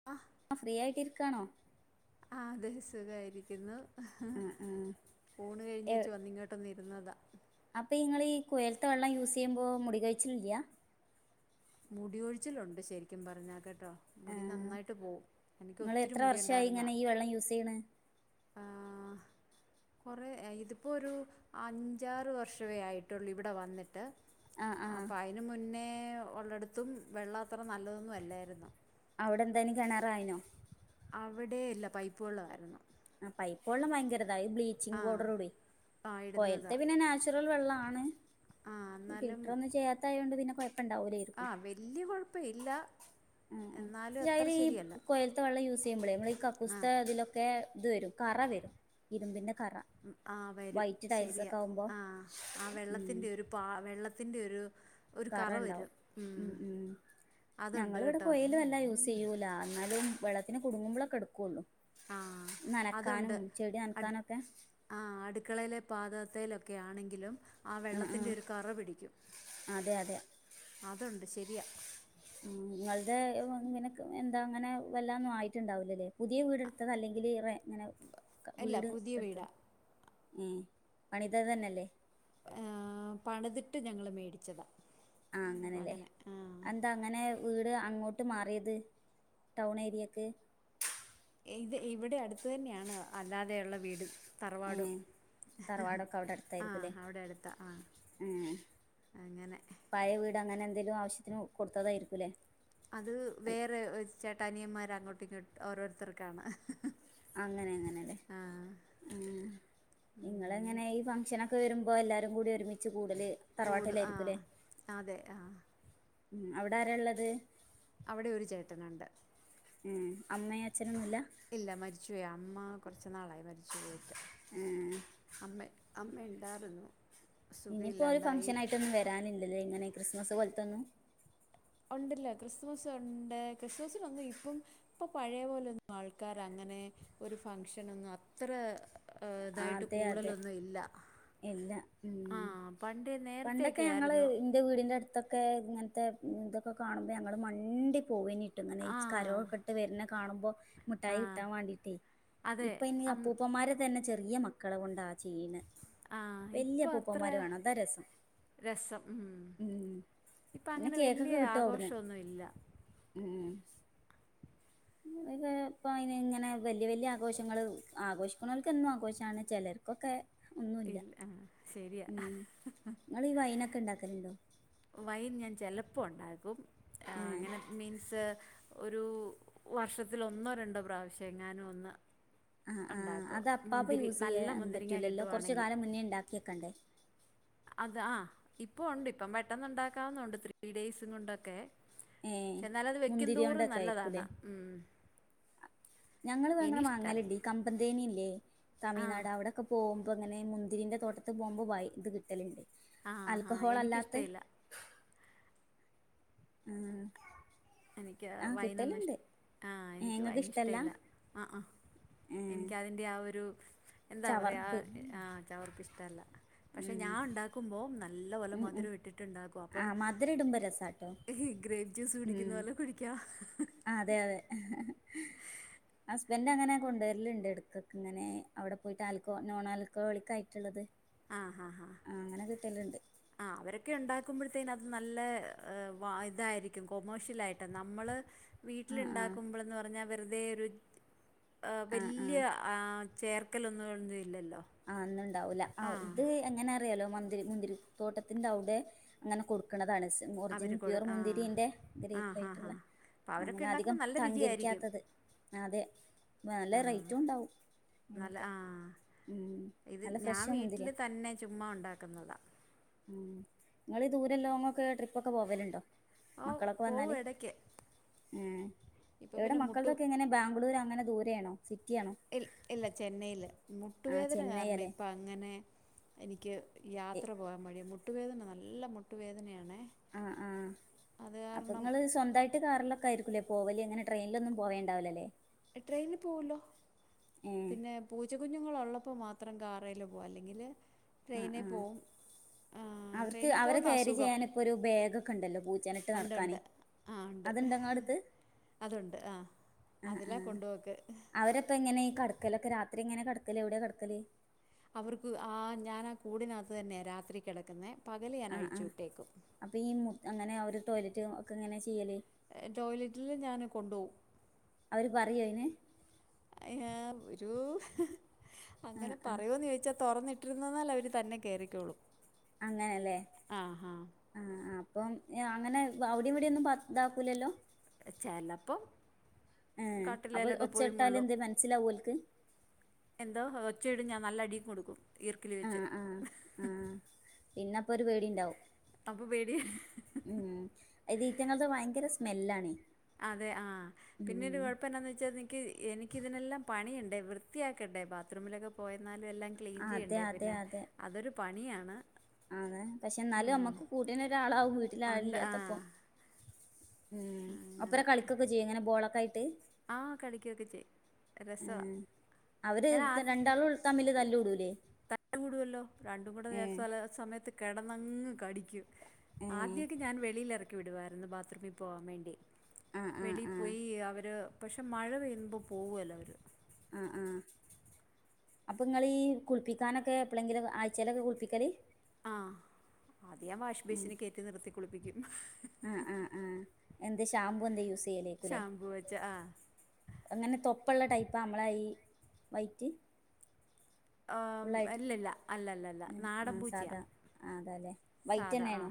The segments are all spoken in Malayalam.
[inaudible] ആഹ് ഫ്രീയായിട്ട് ഇരിക്കാണോ ആഹ് അതെ സുഖായിരിക്കുന്നു ആഹ് ആഹ് ഊണ് കഴിഞ്ഞേച്ച് വന്നിങ്ങോട്ടൊന്നിരുന്നതാ അപ്പഇങ്ങളീ കുഴൽത്തെ വെള്ളം യൂസെയ്യുമ്പോ മുടി കൊയിച്ചിലില്ല മുടി കൊഴിച്ചിലുണ്ട് ശെരിക്കും പറഞ്ഞാ കേട്ടോ മുടി ആഹ് നന്നായിട്ട് പോവും എനിക്ക് ഒത്തിരി മുടി ഉണ്ടായിരുന്നാ ഏത് വെള്ളം യൂസെയ്യ്ണെ [inaudible] കൊറേ ഇതിപ്പാെരു അഞ്ചാറ് വർഷവേ ആയിട്ടുള്ളൂ ഇവിടെ വന്നിട്ട് ആഹ് ആഹ് അപ്പം അയിന് മുന്നേ ഒള്ളിടത്തും വെള്ളം അത്ര നല്ലതൊന്നും അല്ലായിരുന്നു അവിടെ എന്താനിം കെണറായിനോ അവിടെ ഇല്ല പൈപ്പ് വെള്ളവായിരുന്നു ആഹ് പൈപ്പ് വെള്ളം ഭയങ്കരതാ ഈ ബ്ലീച്ചിംഗ് പൗഡർ കൂടി ആ കൊഴൽത്തെ ഇടുന്നതാ പിന്നെ നാച് ച്ചുറൽ വെള്ളാപണ് ആ ഈ എന്നാലും ഫിൽറ്ററഒന്നും ചെയ്യാത്തായതോണ്ട് പിന്നെ കാെഴപ്പണ്ടാവൂലേ ആഹ് വല്ല്യ കാെഴപ്പവില്ല എന്നാലും അത്ര ശരിയല്ല ത്ത വെള്ളം യൂസ് ചെയ്യുമ്പഴേ നമ്മൾ ഈ കക്കൂസ്ത്തെ ആഹ് ഇതിലൊക്കെ ഇത് വരും കറ വരും ഇരുമ്പിന്റെ കറ ആഹ് വരും വൈറ്റ് ശരിയാ ടൈൽസൊക്കെ ആവുമ്പോ ആഹ് ആ ഉം വെള്ളത്തിൻ്റെ ഒരു പാ വെള്ളത്തിന്റെ ഒരു ഒരു കറ കറണ്ടാവും വരും ഉം ഉം അതുണ്ട് ഞങ്ങള്ഇവടെ കേട്ടോ കൊയീല് വെള്ളാ യൂ സെയ്യൂലാ എന്നാലും വെള്ളത്തിന് കുടുങ്ങുമ്പളൊക്കെ എട്ക്കൊള്ളൂ ആഹ് നനക്കാനും അതുണ്ട് ചെടി അട് നൻക്കാനൊക്കെ ആഹ് അടുക്കളയിലെ പാതകത്തേലൊക്കെ ആണെങ്കിലും ആ വെള്ളത്തിൻ്റെ ഒരു കറ പിടിക്കും അതെ അതെ അതുണ്ട് ശരിയാ ഇങ്ങൾടെ ഇങ്ങനെ എന്താ അങ്ങനെ വല്ലാ ഒന്നും ആയിട്ട്ണ്ടാവൂലലേ പുതിയ വീട് ത്തതല്ലെങ്കില് റെ ഇങ്ങനെ ഇല്ല പുതിയ വീടാ ഉം പണിതതന്നെല്ലേ ആഹ് പണിതിട്ട് ഞങ്ങൾ മേടിച്ചതാ ആ അപ്പം അങ്ങനെയല്ലേ അങ്ങനെ ആഹ് എന്താ അങ്ങനെ വീട് അങ്ങോട്ട് മാറിയത് ടൗൺ ഏരിയക്ക് ഇത് ഇവിടെ അട്ത്ത് തന്നെയാണ് അല്ലാതെയുള്ള വീട് ഏ തറവാടും തറവാടൊക്കെ അവിടെ ആഹ് അടുത്തായിരിക്കുംല്ലേ അവിടെ അട്ത്താ ആഹ് അങ്ങനെ പയെ വീട് അങ്ങനെ എന്തേലും ആവശ്യത്തിന് കൊട്ത്തതെെര്ക്കുലേ അത് വേറെ ഒര്ചേട്ട അനിയന്മാര് അങ്ങോട്ട് ഇങ്ങോട്ട് ഓരോര്ത്തർക്കാണ് അങ്ങനെ അങ്ങനെല്ലെ ഇങ്ങളെ ഉം ഇങ്ങനെ ഈ ഫംഗ്ഷനൊക്കെ വെരുമ്പാെ എല്ലാരും കൂടി ഒരുമിച്ച് കൂടല് കൂടും ആഹ് തറവാട്ടിലായിരിക്കുംല്ലേ അതെ ആഹ് ഉം അവടെ ആരാ ഇള്ളത് അവടെ ഒരു ചേട്ടനുണ്ട് ഉം അമ്മയും അച്ഛനൊന്നും ഇല്ല ഇല്ല മരിച്ചു പോയി അമ്മാകാെറച്ച് നാളായി മരിച്ചു പോയിട്ട് അമ്മെ അമ്മ ഇണ്ടാറ്ന്നു ഇഞ്ഞ് ഇപ്പോ ഒര് ഫംഗ്ഷനായിട്ടൊന്നും വെരാനില്ലല്ലേ എങ്ങനെ ക്രിസ്മസ് പോൽത്തൊന്നും ഒണ്ടല്ലോ ക്രിസ്ത്മസ് ഉണ്ട് ക്രിസ്മസിനൊന്നും ഇപ്പം ഇപ്പൊ പഴയ പോലെ ഒന്നും ആൾക്കാര് അങ്ങനെ ഒരു ഫംഗ്ഷനൊന്നും അത്തറെ ഹ് ഇതായിട്ട് അതെ അതെ കൂടലൊന്നും ഇല്ല ഇല്ല ആ ഉം പണ്ട് പണ്ടൊക്കെ നേരത്തെയൊക്കെ ഞങ്ങള് ആയിരുന്നു ഇന്റെ വീടിന്റെ അട്ത്തൊക്കെ ഇങ്ങൻത്തെ ഇതൊക്കെ കാണുമ്പാെ ഞങ്ങള് മണ്ടി പോവേന് രുന്നനെ ആ ഈച്ച് കരാേ ഒക്കെ ഇട്ട് വെര്നത് കാണുമ്പാെ ആ മുഠായി കിട്ടാൻ വാണ്ടീട്ടെെ അതെ ഇപ്പൊ ഇഞ്ഞ് അന്ന് അപ്പൂപ്പന്മാരെ തന്നെ ചെറിയ മക്കളെ കൊണ്ടാ ചെയ്യ്ണ് ആഹ് ഇപ്പൊ അത്രെ രസം ഉം ഉം പിന്നെ ഇപ്പഅങ്ങനെ കേക്കൊക്കെ വെല്യ കിട്ടും അവിടുന്ന് ആഘോഷൊന്നും ഇല്ല ഉം അങ്ങനെത്തെ ഇപ്പൈന് ഇങ്ങനെ വെല്യ വെല്യ ആഘോഷങ്ങള് ആഘോഷിക്ക്ണോൽക്ക് എന്നും ആഘോഷാണ് ചെലർകാെക്കെ ഇല്ല ആഹ് ശെരിയാ ഇങ്ങള് ഈ വൈനെക്കെ ഇണ്ടാക്കല്ണ്ടോ വൈൻ ഞാൻ ചെലപ്പാെ ഉണ്ടാക്കും ഏഹ് അങ്ങനെ മിൻസ് ഒരു വർഷത്തിലൊന്നോ രണ്ടോ പ്രാവശ്യം എങ്ങാനും ഒന്ന് ആഹ് ആഹ് ഒണ്ടാക്കും അത് അപ്പാപ്പ മുന്തിരി യൂസ് നല്ല മുന്തിരിങ്ങ കിട്ടുവാണെങ്കി കേക്കാണ്ടേ അതെ ആഹ് ഇപ്പൊ ഒണ്ട് ഇപ്പം പെട്ടെന്ന് ഇണ്ടാക്കാവുന്നതുണ്ട് ത്രീ ഡൈസുംങ്ങാെണ്ടൊക്കെ ഏഹ് പക്ഷെ ഇന്നാലത് വെക്കുംന്തോറും മുന്തിരിയോണ്ടൊക്കെ ആയിരിക്കൂല്ലേ നല്ലതാണ് ഉം ഞങ്ങള് വാങ്ങ്ണ എനിക്കിഷ്ട മാങ്ങല് ഇല്യേ കമ്പന്തേന് ഇല്ലേ ആ തമിഴ്നാട് അവടെക്ക പോവുമ്പാെ ഇങ്ങനെ മുന്തിരിന്റെ തോട്ടത്ത് പോവുമ്പാെ വൈ ഇത് കിട്ടല്ണ്ട് ആ ആ ആൽക്കഹോൾ അല്ലാത്തത് എനിക്കിഷ്ടമില്ല ആഹ് എനിക്ക് ആഹ് വൈനൊന്നും ഇഷ് കിട്ടലുണ്ട് ആഹ് ഏഹ് എനിക്കും ഇങ്ങക്ക് വൈന് ഇഷ്ടല്ല ഇഷ്ടവില്ല ആഹ് ആഹ് ഏഹ് എനിക്ക് അതിന്റെ ആ ഒരു എന്താ പറയാ ചവർപ്പ് ആ ആഹ് ചവർപ്പ് ഇഷ്ടമല്ല പക്ഷെ ഉം ഞാൻ ഇണ്ടാക്കുമ്പോം നല്ലപോലെ ഉം ഉം മധുരം ഇട്ടിട്ട് ഇണ്ടാക്കും അപ്പം ആഹ് മധുരം ഇടുമ്പോ രസാട്ടോ ഗ്രേപ്ജ്യൂസ് കുടിക്ക്ന്ന ഉം പോലെ കുടിക്കാ ആഹ് അതെ അതെ ഹസ്ബെൻഡ് അങ്ങനെ കൊണ്ടുവെര്ല്ണ്ട് എട്ക്കൊക്കെ ഇങ്ങനെ അവടെ പോയിട്ട് ആൽക്കാെ നോൺ ആൽക്കഓളിക്കായിറ്റ് ഇള്ളത് ആഹ് ഹാ ഹാ ആഹ് അങ്ങനെ കിട്ടല്ണ്ട് ആഹ് അവരൊക്കെ യുണ്ടാക്കുമ്പഴ്ത്തേനകത്ത് നല്ലേ വാ ഇതായിരിക്കും കൊമോഷ്യലായിട്ട് നമ്മള് വീട്ടില് ആഹ് ആഹ് ഇണ്ടാക്കുമ്പളെന്ന് പറഞ്ഞാ വെറ്തേ ഒര് ഏഹ് ആഹ് വെല്യ ആഹ് ആ ചേർക്കലൊന്നും ഇതില് ഇല്ലല്ലോ ആഹ് അന്ന് ഇണ്ടാവൂല ആഹ് ഇത് എങ്ങനെ അറിയാലോ മന്തിരി മുന്തിരിത്തോട്ടത്തിന്റെ അവ്ടെ ഇങ്ങനെ കൊടുക്ക്ണതാണ് അവര് ഒറിജിനൽ കൊടു പ്യൂർ ആഹ് മുന്തിരിൻ്റെ ആഹ് ഹാ ഹാ ഗ്രേയിപ്പായ്ട്ട്ള്ള അപ്പം അവരൊക്കെ അങ്ങനെ അധികം ഉണ്ടാക്കുമ്പോൾ നല്ല രുചിയായിരിക്കും തങ്കരിക്കാത്തത് ആതെ നല്ല ആഹ് റേറ്റും ഇണ്ടാവും നല്ല ആഹ് ഇത് നല്ല ഞാ ഫ്രഷ് വീട്ട്ൽ മുന്തിരിയാ തന്നെ ചുമ്മാ ഉണ്ടാക്ക്ന്നതാ ഉം ഇങ്ങൾ ദൂരം ലോങ്ങൊക്കെ ട്രിപ്പ് ഒക്കെ പോവ്വല്ണ്ടോ ഓ മക്കളൊക്ക പോവും വന്നാല് ഇടയ്ക്ക് ഏഹ് ഇപ്പം എവിടെ പിന്നെ മുട്ടു മകൾതൊക്കെ എങ്ങനെ ബാംഗ്ലൂര് അങ്ങന ദൂരെണോ സിറ്റിയാണോ ഇല് ഇല്ല ചെന്നൈയിൽ ആഹ് മുട്ടുവേദന ചെന്നൈ കാരണം അല്ലേ ഇപ്പ അങ്ങനെ എനിക്ക് യാത്ര പോവാൻ മടിയാ മുട്ടുവേദന നല്ല മുട്ടുവേദനയാണേ ആഹ് ആഹ് അത് അപ്പൊ കാരണം ഇങ്ങള് സ്വന്താ കാറിലൊക്കെ ആരിക്കും ലേ പോവല് അങ്ങനെ ട്രെയ്ൻലൊന്നും പോവേണ്ടാവില്ലല്ലേ ട്രെയിനിൽ പൂവല്ലോ ഏഹ് പിന്നെ പൂച്ച കുഞ്ഞുങ്ങൾ ഒള്ളപ്പോ മാത്രം കാറേൽ പോവും അല്ലെങ്കിൽ ആഹ് ട്രെയിനി ആഹ് പോവും ആഹ് അവർക്ക് ട്രെയിനേ അവരെ ക്യാരി പോവുന്നാസുഖം ചെയ്യാൻ ഇപ്പൊ ഒരു ബാഗ് ഒക്കെണ്ടല്ലോ പൂ ഉണ്ട് ഉണ്ട് ആഹ് ഉണ്ട് നിങ്ങളടുത്ത് അതുണ്ട് ആഹ് അതിലാ കൊണ്ട് പോക്ക് പ്പ എങ്ങനെ ഈ കടക്കലൊക്കെ രാത്രിങ്ങനെ കെടക്കല് എവ്ടെ കെടക്കല് അവർക്ക് ആഹ് ഞാനാ കൂടിനകത്ത് തന്നെ രാത്രി കെടക്കുന്നേ പകല് ഞാൻ അഴിച്ചു വിട്ടേക്കും അപ്പം ഈ മു അങ്ങനെ ആ ഒരു ടോയ്ലറ്റ് ഒക്കെ എങ്ങനെ ച്ചിയ്യല് ടോയ്ലറ്റ്ൽ ഞാൻ കൊണ്ടോവും അവര് പറയോഅയ്ന് ഏഹ് ഒരു അങ്ങനെ ആഹ് ആഹ് പറയോന്ന് ചോദിച്ചാ തൊറ ട്ടിരുന്നാൽ അവര് തന്നെ കേറിക്കോളും അങ്ങനെല്ലേ ആഹാ ആഹ് അപ്പം അങ്ങനെ അവടീം ഇവിടൊന്നും പാ ഇതാക്കൂലല്ലോ ചെലപ്പം ഏഹ് അപ്പൊ കട്ടിലേലൊക്കെ പോയി ഒച്ചട്ടാല് മുള്ളും എന്ത് മനസ്സിലാവോ ഓൽക്ക് എന്തോ ഒച്ചിടും ഞാ നല്ല അടിം കൊടുക്കും ഈർക്കിൽ വെച്ച് ആഹ് ആഹ് ആഹ് പിന്നെ അപ്പ ഒരു പേടിണ്ടാവും അപ്പൊ പേടി ഉം ഇതീറ്റങ്ങൾത് ഭയങ്കര സ്മെല്ലാണയ് അതെ ആഹ് പിന്നൊരു കൊഴപ്പം എന്നാന്ന് വെച്ചാ ഇക്ക് എനിക്ക് ഇതിനെല്ലാം പണിയുണ്ട് വൃത്തിയാക്കട്ടെ ബാത്റൂമിലൊക്കെ പോയന്നാലും എല്ലാം ക്ലീൻ അതെ ച്ചിയ്യണ്ടേ അതെ പിന്നെ അതൊരു പണിയാണ് അതെ പക്ഷെ ന്നാലും ഉം നമ്മുക്ക് കൂട്ടിനൊരാളാവും ഉണ്ട് ആ വീട്ടിലാളില്ലാത്തപ്പോ ഉം അപ്പര അങ്ങനെ കളിക്കൊക്കെ ച്ചിയോ ഇങ്ങനെ ബോളൊക്കെ ആയിറ്റ് ആഹ് കളിക്കൊക്കെചെ ആഹ് അവര് ആദ്യം രണ്ടാളുള് തമ്മില് തല്ലൂടൂലേ തല്ല് കൂടുവല്ലോ രണ്ടും കൂടെ [unintelligible] ഉം ചെല സമയത്ത് കെടന്നങ്ങ് കടിക്കും ഉം ആദ്യൊക്കെ ഞാൻ വെളിൽ എറക്കി വിടുവാരുന്നു ബാത്റൂമി പോവാൻ വേണ്ടി ആഹ് ആഹ് വെളി ആഹ് പ്പോയി അവര് പക്ഷെ മഴ പെയ്യുമ്പോ പോവല്ലോ അവര് ആഹ് ആഹ് അപ്പംങ്ങളി കുൾപ്പിക്കാനൊക്കെ എപ്പളങ്കിലൊക്കേ ആഴ്ച്ചേലൊക്കെ കുളപ്പിക്കൽ ആ അത് ഞാൻ വാഷ് ബേസിന് കെറ്റി നിർത്തി കുളിപ്പിക്കും ആ ആ ആ എന്ത് ഷാംമ്പൂ എന്തേ യൂസ് ചെയ്യലേക്കൂ ലെ ഷാമ്പൂ വെച്ച് ആഹ് അങ്ങനെ തൊപ്പള്ള ടൈപ്പാ നമ്മളെ ഈ വൈറ്റ് ആ ഫുള്ളായിട്ട് അല്ലല്ല അല്ല അല്ല അല്ല നാടം. ആഹ് പൂച്ചയാ സാധാ ആഹ് അതാല്ലേ വൈറ്റ് സാധാ ആ തന്നെയാണോ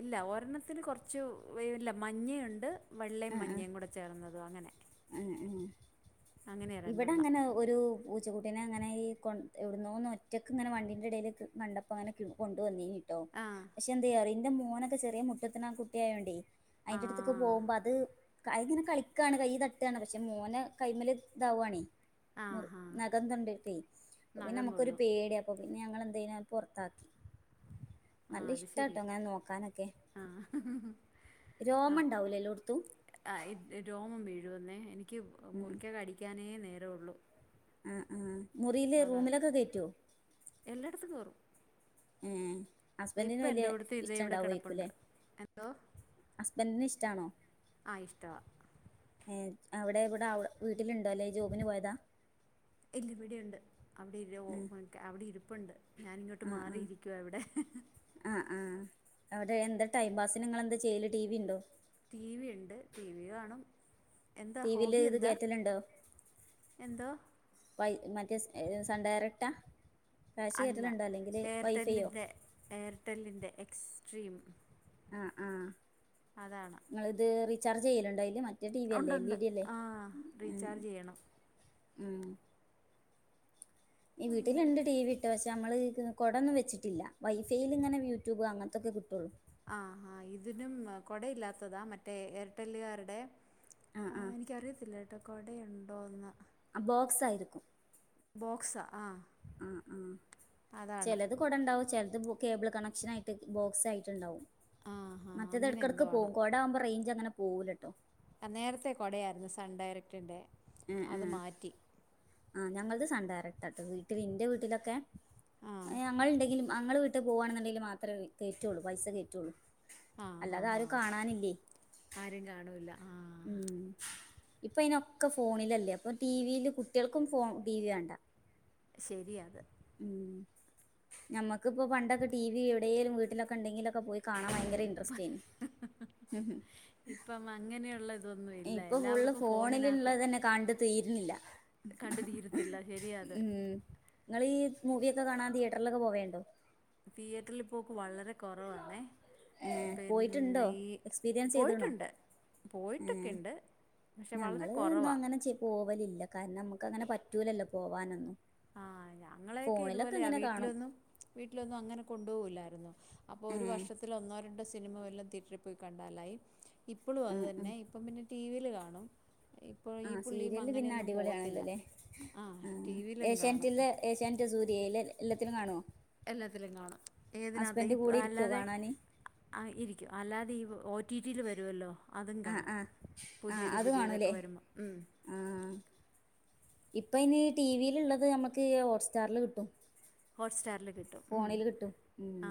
ഇല്ല ഒര്ണ്ണത്തിന് കൊർചു ഇല്ല മഞ്ഞെ ഇണ്ട് വെള്ളേം മഞ്ഞെ. കൂടെ ചേർന്നതു. അങ്ങനെ എ എ അങ്ങനെ ഇവടെ രണ്ടെണ്ണം അങ്ങനെ ഒരു പൂച്ചക്കുട്ടിനെ അങ്ങനെ ഈ കൊ എവ്ട്ന്നോന്ന് ഒറ്റക്ക് ഇങ്ങനെ വണ്ടിന്റെ എടേല്ക്ക് കണ്ടപ്പ അങ്ങെന കൊണ്ടുവന്നിനി ആ പക്ഷെ എന്തയ്യറിയൊ ഇന്റെ മോനൊക്കെ ചെറിയ മുട്ട്ത്ത്ണ ആ കുട്ടി ആയൊണ്ടേ ആ അഴിന്റെ അട്ത്ത്ക്ക് പോവുമ്പ അത് അത് ഇങ്ങനെ കളിക്കാണ് കൈ തട്ടാണ് പക്ഷെ മോനെ കൈമല് ഇതാവ്വാണേ ആ മു ഹാ നഖ [unintelligible] ട്ടേ അപ്പൊ നഖം നമുക്കൊരു കൊള്ളും പേടിയ അപ്പ പിന്നെ ഞങ്ങള് എന്തയ്നാ പൊർത്താക്കി ആ നല്ല അത് ഇഷ്ടാട്ടോ ശരിയാ അങ്ങനെ നോക്കാനൊക്കെ ആ രോമം ഓക്കെ ഇണ്ടാവൂലെ എല്ലോട്ത്തും ആ ഈ രോമം വീഴുവെന്നേ എനിക്ക് ഉം മുറിക്കക അടിക്കാനേ നേര ഒള്ളു ആ ആ മുറീല് റൂമിലൊക്കെ കേറ്റോ എല്ലാട്ത്തും കെറും ഏ ഹസ്ബൻഡ്ന് വല്ല്യ എൻ്റെ ഇവിടുത്തെ ഇതേ ഇഷ്ടം ഇവിടെ ഇണ്ടാവയ്ക്കു കിടപ്പുണ്ട് ലെ എന്തോ ഹസ്ബെന്റ് ന് ഇഷ്ടാണോ ആ ഇഷ്ടവാ ഏ അവടെ ഇവടെ അവ് വീട്ടില്ണ്ടോ അല്ലേ ജോബിന് പോയതാ എല്ല ഇവഡ്യുണ്ട് അവിടെ ഒരു ആഹ് അവടെ ഇരുപ്പുണ്ട് ഞാനിങ്ങോട്ട് മാറിയിരിക്കുവ ഇവടെ ആ ആ അവടെ എന്താ ടൈം പാസ് നിങ്ങള് എന്താ ചെയ്യല് ടി വി ഇണ്ടോ ടി വി ഇണ്ട് ടി വി കാണും എന്താ ടി വിൽ ഹോബി ഇത് എന്താ കേറ്റലുണ്ടോ എന്തോ വൈ മറ്റേ സൺ ഡയറക്ടാ കാശ് കേറ്റല്ണ്ടോ അല്ലെങ്കില് വൈഫൈയോ എയർടെല്ലിന്റെ എക്സ്ട്രീം ആ ആ അതാണ് ഇങ്ങള് ഇത് റീചാർജ് ചെയ്യല്ണ്ടോ അയില് മറ്റേ ടി വി അല്ലേ എൽ ഉണ്ടുണ്ട് ഇ ഡി അല്ലേ ആ റീചാർജ് ചെയ്യണം ഉം ഈ വീട്ടില്ണ്ട് ടി വി പക്ഷെ നമ്മള് കോടൊന്നും വെച്ചിട്ടില്ല വൈഫൈയില് ഇങ്ങനെ യൂട്യൂബ് അങ്ങൻത്തൊക്കെ കിട്ടോള്ളൂ ആ ആ ഇതിനും കൊടയില്ലാത്തതാ മറ്റേ എയർടെല്ല്കാര്ടെ ആഹ് ആ ആഹ് എനിക്കറിയത്തില്ല കെട്ടോ കൊടെഴുണ്ടോന്ന് അ ബോക്സായിരിക്കും ബോക്സ ആ ആ ആ അതാണ് ചെലത് കൊടെണ്ടാവും ചെൽത് കേബിൾ കണക്ഷനായിട്ട് ബോക്സ് ആയിട്ട് ഇണ്ടാവും ആ ഹാ മറ്റത് അങ്ങനെ എട്ക്കെട്ക്ക് എന്തോ ആണ് പോവും കൊടാവുമ്പ റൈഞ്ച് അങ്ങനെ പോവൂലട്ടോ ആ നേരത്തേ കൊടയായ്ര്ന്നു സൺ ഡയറക്റ്റിൻ്റെ അത് മാറ്റി ആ ഞങ്ങൾത് സൺ ഡയറക്റ്റാ ട്ടോ വീട്ടില് ഇൻ്റെ വീട്ടിലൊക്കെ ആ അത് ഞമ്മള്ണ്ടെങ്കില് അങള് വീട്ട് പോവ്വാണ്ന്ന്ണ്ടെങ്കില് മാത്രേ കേറ്റൊള്ളൂ പൈസ കേറ്റൊള്ളൂ ആ ഹാ ഹാ ആരും കാണൂല ആ ഉം ഇപ്പയിനൊക്കെ ഫോണിലല്ലേ അപ്പൊ ടി വി ല് കുട്ട്യേൾക്കും ഫോൺ ടി വി വേണ്ട ശരിയാത് ഉം ഞമ്മക്ക്പ്പൊ പണ്ടൊക്കെ ടി വി എവ്ടേലും വീട്ടിലൊക്കെ ഇണ്ടെങ്കിലൊക്കെ പോയി കാണാ വയങ്കര ഇ ട്രസ്റ്റേനി ഉം ഇപ്പം അങ്ങനെയുള്ള ഇതൊന്നും ഇല്ല എല്ലാവർക്കും ഫോണിനകത്ത് കാണ്ട് തീര്ന്നില്ല കണ്ട് തീരത്തില്ല ശരിയാ അത് ഇങ്ങള് ഈ മൂവിയൊക്കെ കാണാൻ തിയേറ്ററിലൊക്കെ പോവേണ്ടോ തീയേറ്ററിൽ പോക്ക് വളരെ കൊറവാണേ ഏ പിന്നെ പോയിട്ടുണ്ടോ ഈ എക്സ്പീരിയൻസ് ചെയ്തണോ പോയിറ്റ്ണ്ട് ഏ പോയിറ്റൊക്കെണ്ട് പക്ഷെ വളരെ ഞങ്ങള് ഒന്നും കൊറവാ അങ്ങനെ പോവലില്ല കാരണം മ്മക്ക് അങ്ങനെ പറ്റൂലല്ലോ പോവ്വാനൊന്നും ആഹ് ഞങ്ങളെയൊക്കെ ഇതുപോലെയാ വീട്ട്ലൊന്നും വീട്ടിലൊന്നും അങ്ങനെ കൊണ്ടോവൂല്ലായിരുന്നു അപ്പോ ഏ ഒരു വർഷത്തെ ത്തിലൊന്നോ രണ്ടോ സിനിമ വല്ലം തിയറ്ററി പോയി കണ്ടാലായി ഇപ്പളും അത് ഉം ഉം തന്നേ ഇപ്പം പിന്നെ ടി വിൽ കാണും ഇപ്പോ ആ ഈ പുള്ളിയും സീരിയല് പിന്നെ അങ്ങനെയൊന്നും അടിപൊളിയാണല്ലോ പോവത്തില്ല അല്ലേ ആഹ് ആ ടി വി ല്ണ്ട് ഏഷ്യാനെറ്റിലെ ഏഷ്യാനെറ്റ് സൂര്യ യില് എല്ലത്തിനും കാണോ എല്ലാത്തിലും കാണും ഏതിനകത്ത് ഇ പൊ കൂടെ ഇരിക്കോ അല്ലാതെ കാണാന് അ ആ ഇരിക്കും അല്ലാതെ ഈ ഒ റ്റി ജി ല് വരുവല്ലോ അതും ആഹ് കാണും ആഹ് ആഹ് പുതിയത് അത് കാണൂല്ലേ പുതിയതൊക്കെ വരുമ്പം ഉം ആഹ് ഇപ്പ ഇനി ടി വി ല്ള്ളത് ഞമ്മക്ക് ഹോട്ട് സ്റ്റാറില് കിട്ടും ഹോട്ട് സ്റ്റാറില് ഫോണില് കിട്ടും ഉം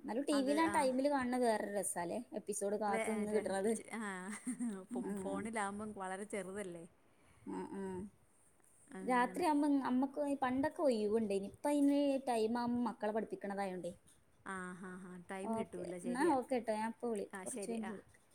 ഇന്നാലും ടി വിൽ ആ ടൈമില് കാണത് വേറൊരു രസാല്ലേ എപ്പിസോഡ് വേ കാത്തു നിന്ന് റെ കിട്ടണത് ച് ആഹ് ഫോ ആഹ് ഫോണിലാവുമ്പം വളരെ ചെറുതല്ലേ ആഹ് ആഹ് അങ്ങനെ രാത്രിയാവുമ്പം അമ്മക്ക് പണ്ടൊക്കെ ഒയ്‌വ്ണ്ടേന് ഇപ്പയ്ന് ഈ ടൈം ആവു മക്കളെ പഠിപ്പിക്കണതായോണ്ടേ ആ ഹാ ഹാ ടൈം ഓക്കേ കിട്ടൂല ന്നാ ശരിയാണ് ഓക്കെ ട്ടോ ഞാൻപ്പ വിളി ആ ശരി കൊർച്ചെയ്ഞ്ഞ്ട്ട് ആ വിളിക്ക